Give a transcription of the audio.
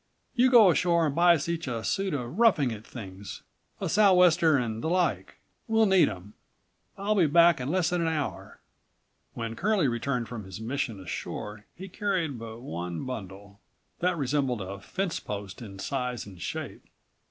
"You go ashore and buy us each a suit of roughing it things, a so' wester and the like. We'll need 'em. I'll be back in less than an hour." When Curlie returned from his mission ashore he carried but one bundle. That resembled a fencepost in size and shape.